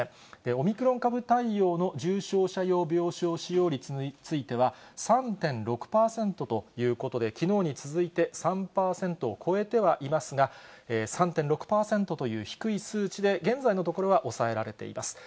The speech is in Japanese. オミクロン株対応の重症者用病床使用率については、３．６％ということで、きのうに続いて３％を超えてはいますが、３．６％という低い数値で、現在のところは抑えられています。